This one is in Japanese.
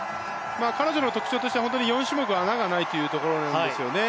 彼女の特徴としては４種目穴がないというところなんですよね。